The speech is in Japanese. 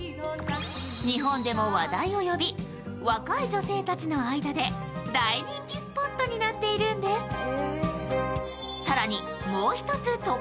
日本でも話題を呼び若い女性たちの間で大人気スポットになっているんです。